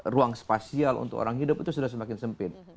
ruang spasial untuk orang hidup itu sudah semakin sempit